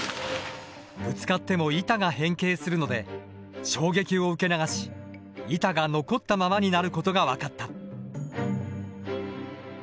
ぶつかっても板が変形するので衝撃を受け流し板が残ったままになることが分かった。